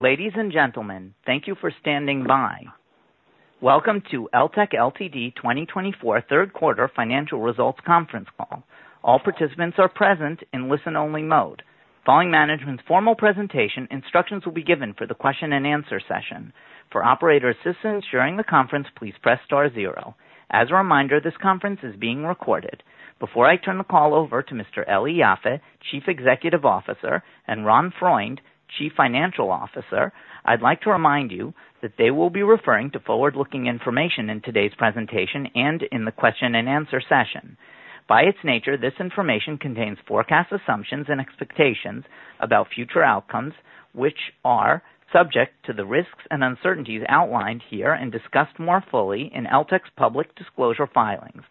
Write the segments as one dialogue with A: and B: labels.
A: Ladies and gentlemen, thank you for standing by. Welcome to Eltek Ltd. 2024 third quarter financial results conference call. All participants are present in listen-only mode. Following management's formal presentation, instructions will be given for the question-and-answer session. For operator assistance during the conference, please press star zero. As a reminder, this conference is being recorded. Before I turn the call over to Mr. Eli Yaffe, Chief Executive Officer, and Ron Freund, Chief Financial Officer, I'd like to remind you that they will be referring to forward-looking information in today's presentation and in the question-and-answer session. By its nature, this information contains forecast assumptions and expectations about future outcomes, which are subject to the risks and uncertainties outlined here and discussed more fully in Eltek's public disclosure filings.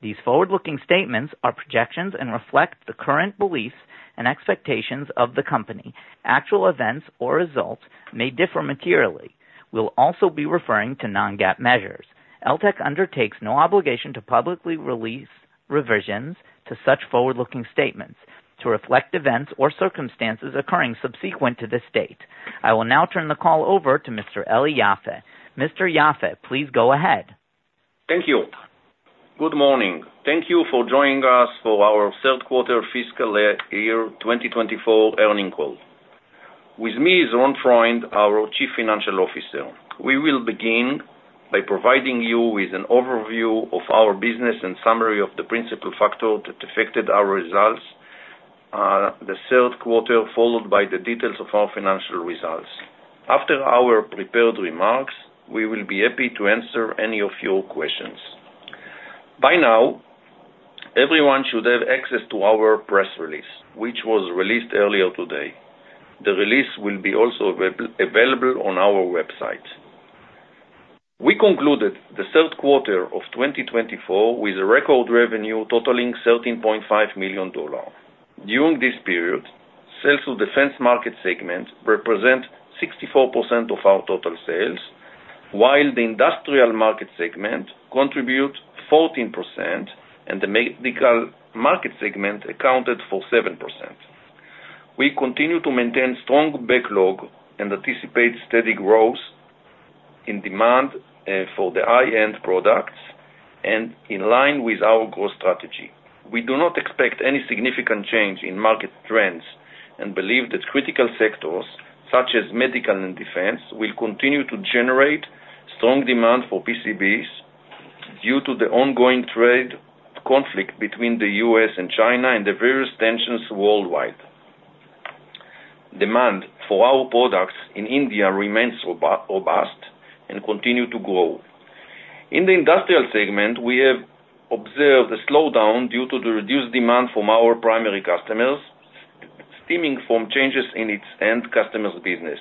A: These forward-looking statements are projections and reflect the current beliefs and expectations of the company. Actual events or results may differ materially. We'll also be referring to non-GAAP measures. Eltek undertakes no obligation to publicly release revisions to such forward-looking statements to reflect events or circumstances occurring subsequent to this date. I will now turn the call over to Mr. Eli Yaffe. Mr. Yaffe, please go ahead.
B: Thank you. Good morning. Thank you for joining us for our third quarter fiscal year 2024 earnings call. With me is Ron Freund, our Chief Financial Officer. We will begin by providing you with an overview of our business and summary of the principal factors that affected our results, the third quarter followed by the details of our financial results. After our prepared remarks, we will be happy to answer any of your questions. By now, everyone should have access to our press release, which was released earlier today. The release will be also available on our website. We concluded the third quarter of 2024 with a record revenue totaling $13.5 million. During this period, sales to defense market segment represent 64% of our total sales, while the industrial market segment contributed 14%, and the medical market segment accounted for 7%. We continue to maintain a strong backlog and anticipate steady growth in demand for the high-end products and in line with our growth strategy. We do not expect any significant change in market trends and believe that critical sectors such as medical and defense will continue to generate strong demand for PCBs due to the ongoing trade conflict between the U.S. and China and the various tensions worldwide. Demand for our products in India remains robust and continues to grow. In the industrial segment, we have observed a slowdown due to the reduced demand from our primary customers, stemming from changes in its end customer's business.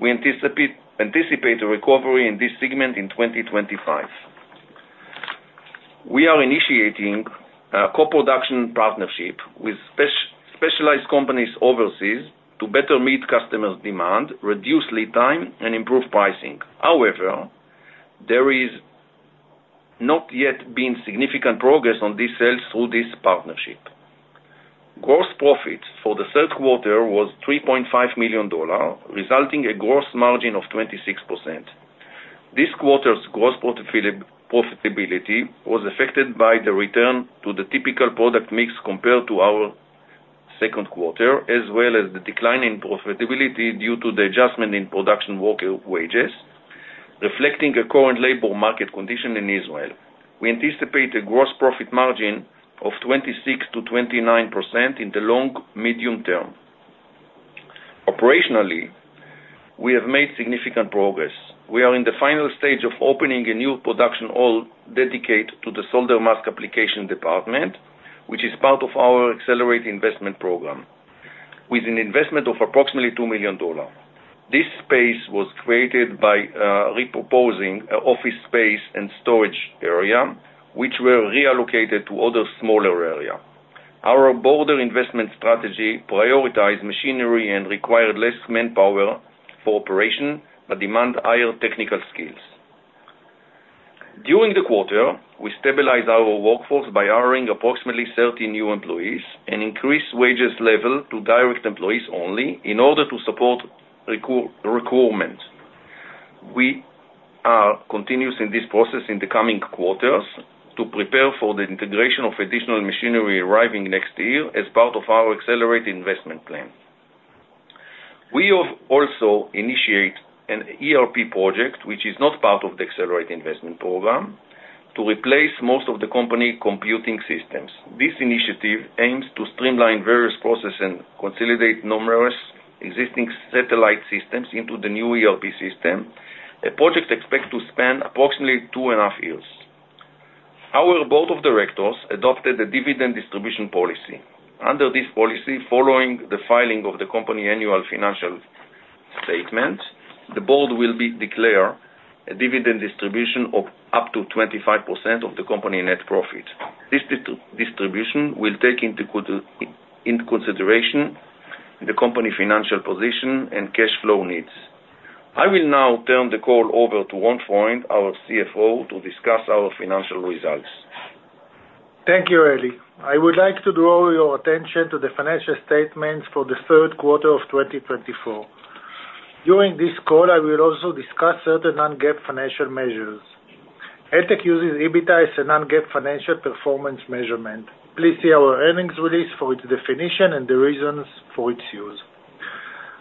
B: We anticipate a recovery in this segment in 2025. We are initiating a co-production partnership with specialized companies overseas to better meet customer demand, reduce lead time, and improve pricing. However, there has not yet been significant progress on these sales through this partnership. Gross profit for the third quarter was $3.5 million, resulting in a gross margin of 26%. This quarter's gross profitability was affected by the return to the typical product mix compared to our second quarter, as well as the decline in profitability due to the adjustment in production worker wages, reflecting a current labor market condition in Israel. We anticipate a gross profit margin of 26%-29% in the long-medium term. Operationally, we have made significant progress. We are in the final stage of opening a new production hall dedicated to the solder mask application department, which is part of our accelerated investment program, with an investment of approximately $2 million. This space was created by repurposing an office space and storage area, which were reallocated to other smaller areas. Our broader investment strategy prioritized machinery and required less manpower for operation but demanded higher technical skills. During the quarter, we stabilized our workforce by hiring approximately 30 new employees and increased wages level to direct employees only in order to support recruitment. We are continuing this process in the coming quarters to prepare for the integration of additional machinery arriving next year as part of our accelerated investment plan. We also initiated an ERP project, which is not part of the accelerated investment program, to replace most of the company computing systems. This initiative aims to streamline various processes and consolidate numerous existing satellite systems into the new ERP system. The project is expected to span approximately two and a half years. Our board of directors adopted a dividend distribution policy. Under this policy, following the filing of the company annual financial statement, the board will declare a dividend distribution of up to 25% of the company net profit. This distribution will take into consideration the company's financial position and cash flow needs. I will now turn the call over to Ron Freund, our CFO, to discuss our financial results.
C: Thank you, Eli. I would like to draw your attention to the financial statements for the third quarter of 2024. During this call, I will also discuss certain non-GAAP financial measures. Eltek uses EBITDA as a non-GAAP financial performance measurement. Please see our earnings release for its definition and the reasons for its use.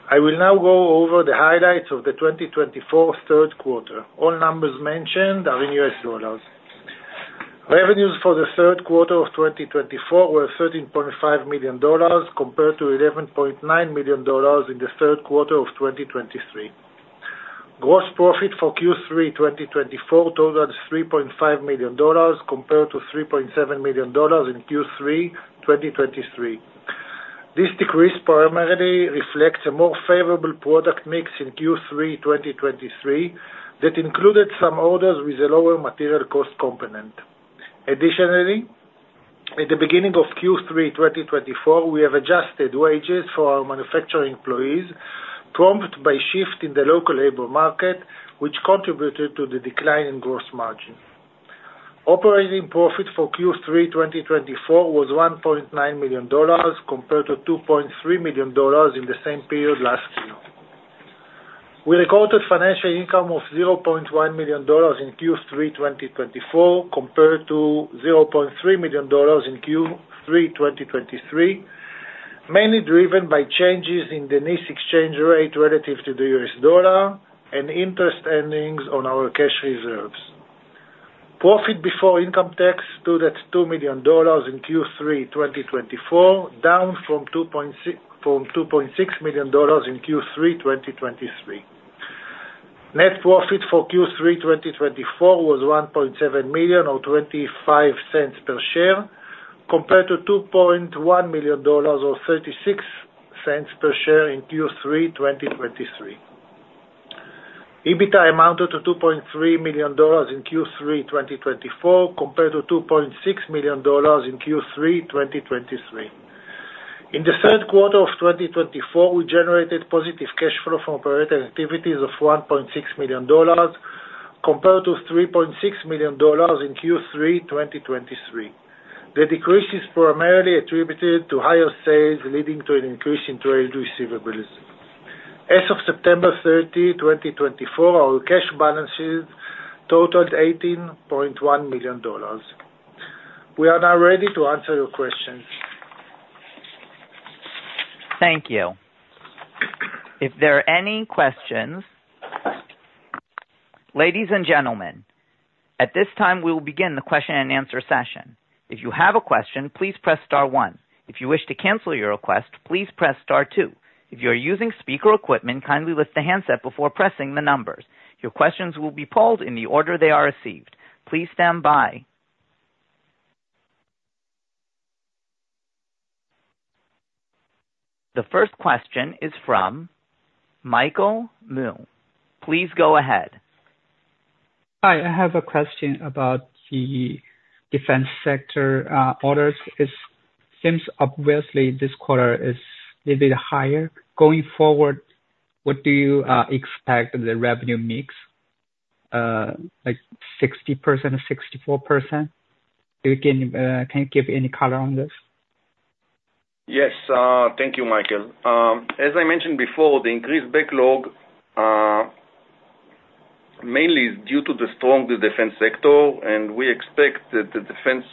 C: I will now go over the highlights of the 2024 third quarter. All numbers mentioned are in US dollars. Revenues for the third quarter of 2024 were $13.5 million compared to $11.9 million in the third quarter of 2023. Gross profit for Q3 2024 totaled $3.5 million compared to $3.7 million in Q3 2023. This decrease primarily reflects a more favorable product mix in Q3 2023 that included some orders with a lower material cost component. Additionally, at the beginning of Q3 2024, we have adjusted wages for our manufacturing employees, prompted by a shift in the local labor market, which contributed to the decline in gross margin. Operating profit for Q3 2024 was $1.9 million compared to $2.3 million in the same period last year. We recorded financial income of $0.1 million in Q3 2024 compared to $0.3 million in Q3 2023, mainly driven by changes in the NIS exchange rate relative to the U.S. dollar and interest earnings on our cash reserves. Profit before income tax stood at $2 million in Q3 2024, down from $2.6 million in Q3 2023. Net profit for Q3 2024 was $1.7 million or $0.25 per share compared to $2.1 million or $0.36 per share in Q3 2023. EBITDA amounted to $2.3 million in Q3 2024 compared to $2.6 million in Q3 2023. In the third quarter of 2024, we generated positive cash flow from operating activities of $1.6 million compared to $3.6 million in Q3 2023. The decrease is primarily attributed to higher sales, leading to an increase in trade receivables. As of September 30, 2024, our cash balances totaled $18.1 million. We are now ready to answer your questions.
A: Thank you. If there are any questions... Ladies and gentlemen, at this time, we will begin the question-and-answer session. If you have a question, please press star one. If you wish to cancel your request, please press star two. If you are using speaker equipment, kindly lift the handset before pressing the numbers. Your questions will be polled in the order they are received. Please stand by. The first question is from Michael Mu. Please go ahead.
D: Hi, I have a question about the defense sector orders. It seems obviously this quarter is a little bit higher. Going forward, what do you expect the revenue mix? Like 60% or 64%? Can you give any color on this?
B: Yes, thank you, Michael. As I mentioned before, the increased backlog mainly is due to the strong defense sector, and we expect that the defense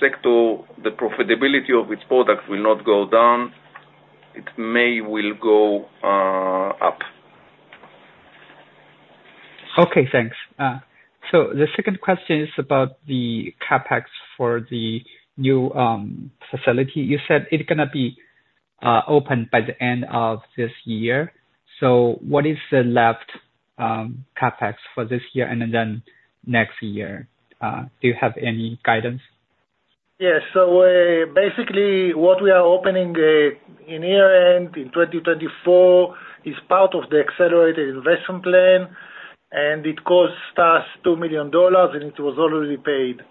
B: sector, the profitability of its product, will not go down. It may well go up.
D: Okay, thanks. So the second question is about the CapEx for the new facility. You said it's going to be opened by the end of this year. So what is the left CapEx for this year and then next year? Do you have any guidance?
C: Yes, so basically, what we are opening in year-end in 2024 is part of the accelerated investment plan, and it costs us $2 million, and it was already paid.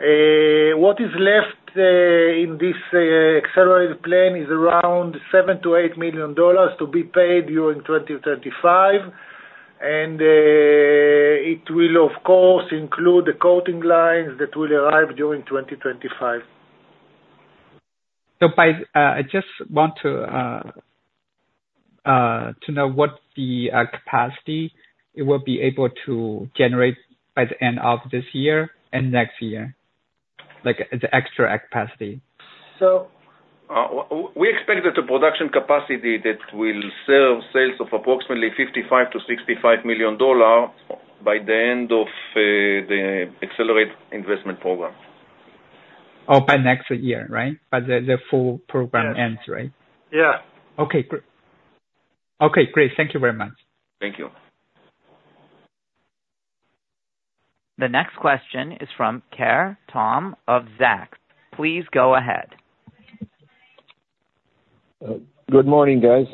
C: What is left in this accelerated plan is around $7-$8 million to be paid during 2025, and it will, of course, include the coating lines that will arrive during 2025.
D: I just want to know what the capacity it will be able to generate by the end of this year and next year, like the extra capacity.
B: We expect that the production capacity that will serve sales of approximately $55-$65 million by the end of the accelerated investment program.
D: Oh, by next year, right? By the full program ends, right?
C: Yeah.
D: Okay, great. Okay, great. Thank you very much.
B: Thank you.
A: The next question is from Tom Kerr of Zacks. Please go ahead.
E: Good morning, guys.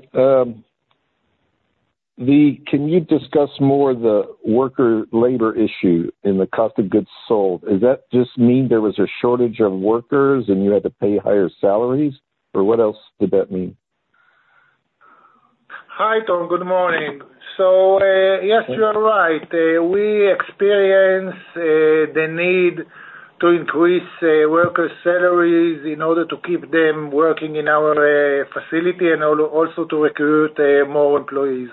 E: Can you discuss more the worker labor issue in the cost of goods sold? Does that just mean there was a shortage of workers and you had to pay higher salaries? Or what else did that mean?
C: Hi, Tom. Good morning. Yes, you are right. We experience the need to increase workers' salaries in order to keep them working in our facility and also to recruit more employees.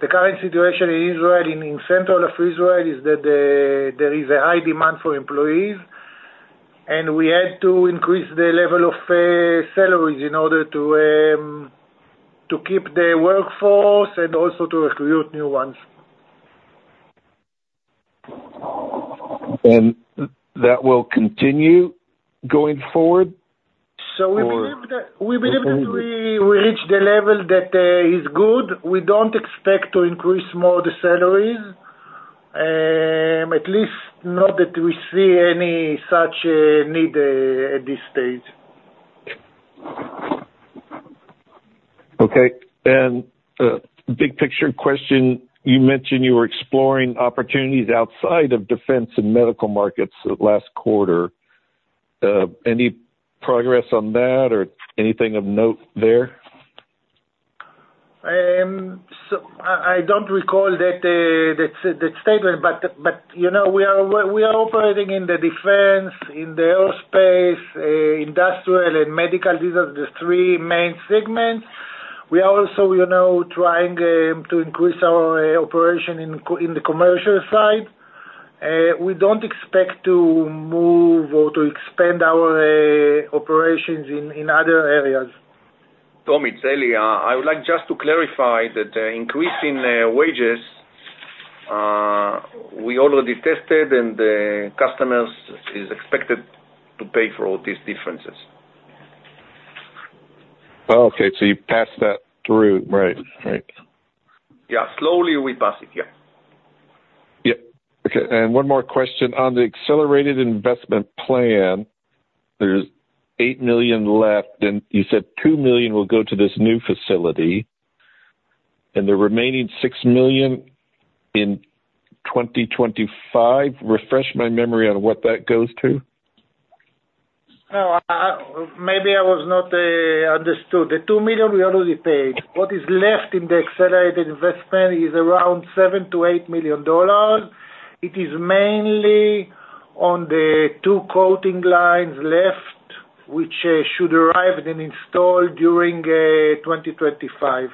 C: The current situation in Israel, in the center of Israel, is that there is a high demand for employees, and we had to increase the level of salaries in order to keep the workforce and also to recruit new ones.
E: That will continue going forward?
C: So we believe that we reached a level that is good. We don't expect to increase more the salaries, at least not that we see any such need at this stage.
E: Okay. And big picture question, you mentioned you were exploring opportunities outside of defense and medical markets last quarter. Any progress on that or anything of note there?
C: I don't recall that statement, but we are operating in the defense, in the aerospace, industrial, and medical. These are the three main segments. We are also trying to increase our operation in the commercial side. We don't expect to move or to expand our operations in other areas.
B: Tom, it's Eli. I would like just to clarify that the increase in wages we already tested, and the customers are expected to pay for all these differences.
E: Okay, so you passed that through. Right, right.
B: Yeah, slowly we pass it, yeah.
E: Yeah. Okay. And one more question. On the accelerated investment plan, there's $8 million left, and you said $2 million will go to this new facility, and the remaining $6 million in 2025. Refresh my memory on what that goes to.
C: No, maybe I was not understood. The $2 million we already paid. What is left in the accelerated investment is around $7-$8 million. It is mainly on the two coating lines left, which should arrive and install during 2025.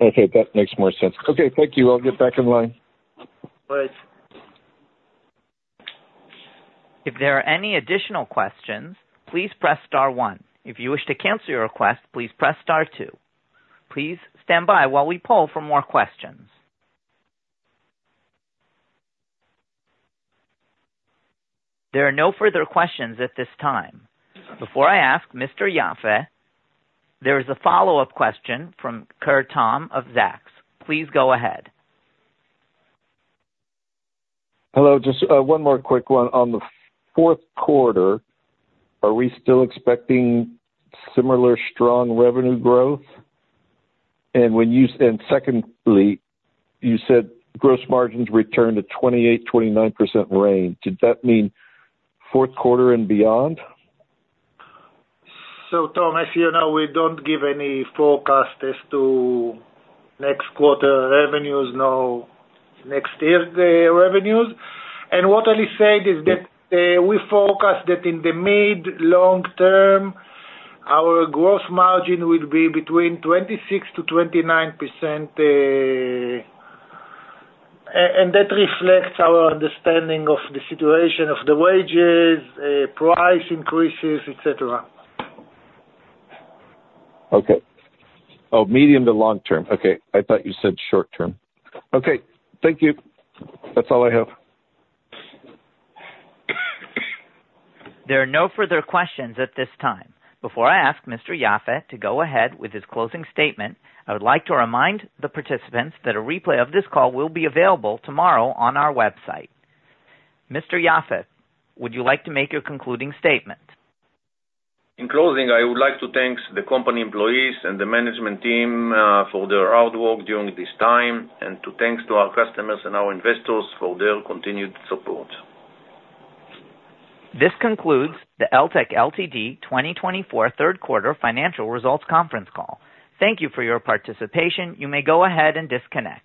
E: Okay, that makes more sense. Okay, thank you. I'll get back in line.
C: All right.
A: If there are any additional questions, please press star one. If you wish to cancel your request, please press star two. Please stand by while we poll for more questions. There are no further questions at this time. Before I ask, Mr. Yaffe, there is a follow-up question from Tom Kerr of Zacks. Please go ahead.
E: Hello, just one more quick one. On the fourth quarter, are we still expecting similar strong revenue growth? And secondly, you said gross margins returned a 28%-29% range. Did that mean fourth quarter and beyond?
C: So Tom, as you know, we don't give any forecast as to next quarter revenues, no next year revenues. And what Eli said is that we forecast that in the mid-long term, our gross margin will be between 26% to 29%, and that reflects our understanding of the situation of the wages, price increases, etc.
E: Okay. Oh, medium to long term. Okay. I thought you said short term. Okay. Thank you. That's all I have.
A: There are no further questions at this time. Before I ask Mr. Yaffe to go ahead with his closing statement, I would like to remind the participants that a replay of this call will be available tomorrow on our website. Mr. Yaffe, would you like to make your concluding statement?
B: In closing, I would like to thank the company employees and the management team for their hard work during this time, and thanks to our customers and our investors for their continued support.
A: This concludes the Eltek Ltd. 2024 third quarter financial results conference call. Thank you for your participation. You may go ahead and disconnect.